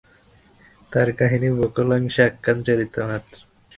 তাঁর কাহিনী বহুলাংশে আখ্যান-চরিত মাত্র।